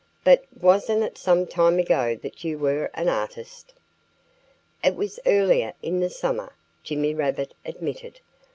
"But wasn't it some time ago that you were an artist?" "It was earlier in the summer," Jimmy Rabbit admitted.